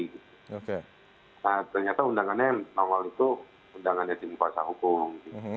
nah ternyata undangannya yang awal itu undangannya tim kuasa hukum